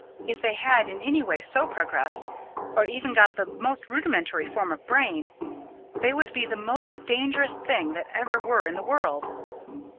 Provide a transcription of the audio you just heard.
If they had in any way so progressed, or even got the most rudimentary form of brain, they would be the most dangerous things that ever were in the world.